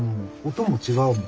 音も違うもん。